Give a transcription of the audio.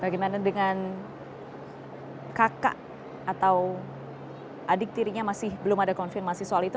bagaimana dengan kakak atau adik tirinya masih belum ada konfirmasi soal itu